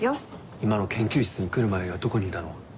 今の研究室に来る前はどこにいたの？